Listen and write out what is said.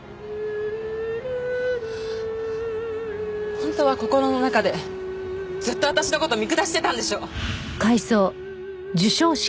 本当は心の中でずっと私の事見下してたんでしょ？